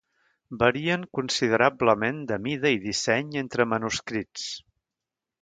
Varien considerablement de mida i disseny entre manuscrits.